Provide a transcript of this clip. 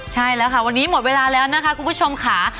ใช่แล้วค่ะวันนี้หมดเวลาแล้วนะคะคุณผู้ชมค่ะ